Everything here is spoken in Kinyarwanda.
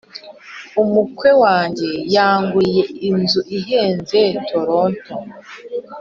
Umukwe wanjye yanguriye inzu ihenze tolonto